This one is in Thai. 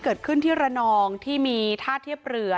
เกิดขึ้นที่ระนองที่มีท่าเทียบเรือ